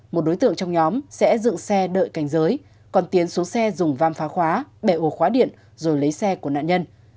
một đối tượng trong nhóm sẽ dựng xe đợi cảnh giới còn tiến xuống xe dùng vam phá khóa bẻ ổ khóa điện rồi lấy xe của nạn nhân